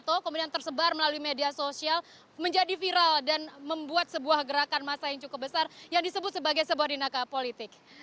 atau kemudian tersebar melalui media sosial menjadi viral dan membuat sebuah gerakan masa yang cukup besar yang disebut sebagai sebuah dinaka politik